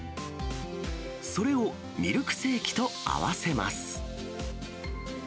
それをミルクセーキと合わせます。